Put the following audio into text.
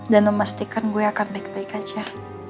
dan memastikan gue akan baik baik aja